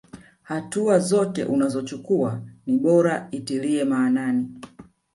Hatua zote unazochukuwa ni bora itilie maanani.